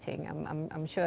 tapi masalah utama